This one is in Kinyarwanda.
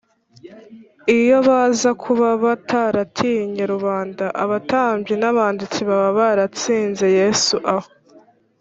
Iyo baza kuba bataratinye rubanda, abatambyi n’abanditsi baba baratsinze Yesu aho.